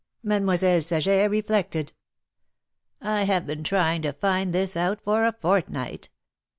Mademoiselle Saget reflected. " I have been trying to find this out for a fortnight.